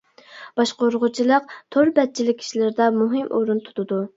باشقۇرغۇچىلىق تور بەتچىلىك ئىشلىرىدا مۇھىم ئورۇن تۇتىدۇ.